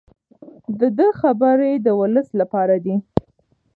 د ده خبرې د ولس لپاره دي.